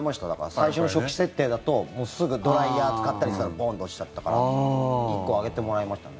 最初の初期設定だとすぐ、ドライヤー使ったりしたらボーンと落ちちゃったから１個上げてもらいましたね。